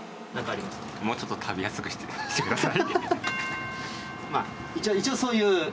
もうちょっと食べやすくして一応そういう。